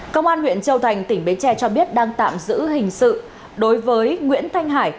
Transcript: công an huyện châu thành tỉnh bến tre cho biết đang tạm giữ hình sự đối với nguyễn thanh hải